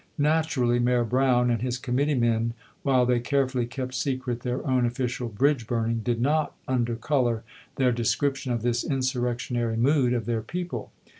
Naturally, Mayor Brown and his committee men, while they carefully kept secret their own official bridge burning, did not undercolor their descrip tion of this insurrectionary mood of their people.